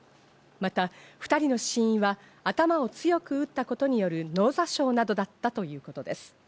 また２人の死因は頭を強く打ったことによる脳挫傷などだったということです。